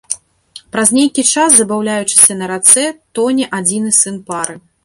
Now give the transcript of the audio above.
Праз нейкі час, забаўляючыся на рацэ, тоне адзіны сын пары.